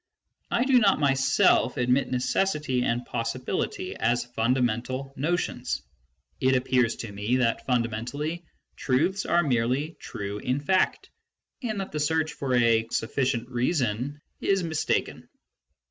I do not myself admit necessity and possibility as fundamental notions : it appears to me that fundamentally truths are merely true in fact, and that the search for a " sufficient reason "" is mis taken.